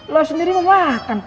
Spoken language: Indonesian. lo sendiri mau makan